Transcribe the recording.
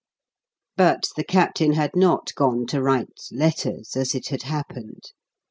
But the Captain had not gone to write letters, as it had happened.